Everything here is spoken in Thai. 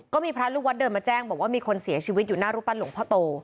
ก็มีพระลูกวัดเดินมาแจ้งบอกว่ามีคนเสียชีวิตอยู่หน้ารูปปั้นหลวงพ่อโต